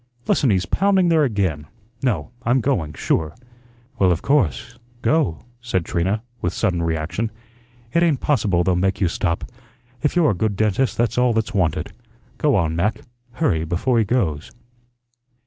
Listen, he's pounding there again. No, I'm going, sure." "Well, of course, go," said Trina, with sudden reaction. "It ain't possible they'll make you stop. If you're a good dentist, that's all that's wanted. Go on, Mac; hurry, before he goes."